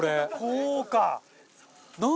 こうか！